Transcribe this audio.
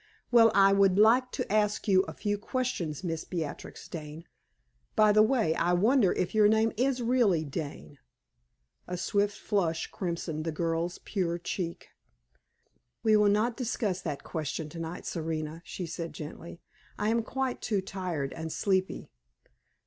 "Well, I would like to ask you a few questions, Miss Beatrix Dane. By the way, I wonder if your name is really Dane?" A swift flush crimsoned the girl's pure cheek. "We will not discuss that question tonight, Serena," she said, gently. "I am quite too tired and sleepy."